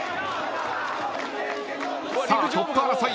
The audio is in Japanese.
さあトップ争い。